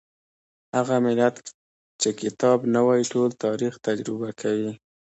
هغه ملت چې کتاب نه وايي ټول تاریخ تجربه کوي.